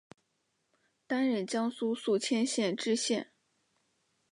担任江苏宿迁县知县。